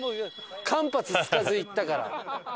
間髪つかず行ったから。